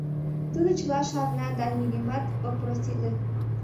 — Тудо чыла шарна да нигӧмат ок проститле.